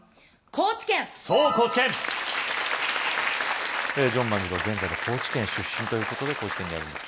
高知県ジョン万次郎は現在の高知県出身ということで高知県にあります